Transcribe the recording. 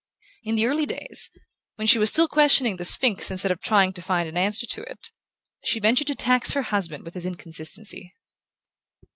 In the early days, when she was still questioning the Sphinx instead of trying to find an answer to it, she ventured to tax her husband with his inconsistency.